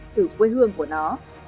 từ quê hương của nó